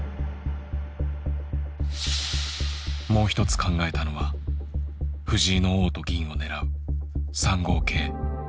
もう一つ考えたのは藤井の王と銀を狙う３五桂。